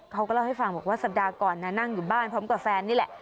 เขาก็เล่าให้ฟังบอกว่าสัปดาห์ก่อนนั่งอยู่บ้านพร้อมกับแฟนนี่แหละ